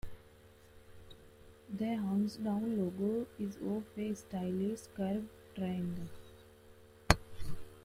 The Hounsdown logo is of a stylised, curved triangle.